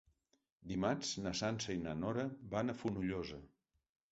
Dimarts na Sança i na Nora van a Fonollosa.